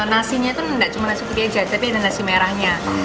nasinya itu tidak cuma nasi putih aja tapi ada nasi merahnya